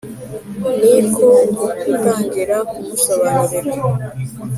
ni ko gutangira kumusobanurira.